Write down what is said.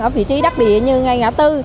ở vị trí đắc địa như ngay ngã tư